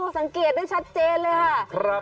สังเกตได้ชัดเจนเลยค่ะ